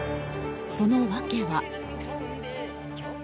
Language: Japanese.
その訳は。